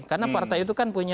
karena partai itu kan punya